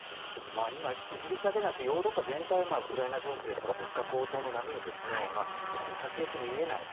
今、イギリスだけじゃなくヨーロッパ全体がウクライナ情勢や物価高騰の波に非常に先行きが見えない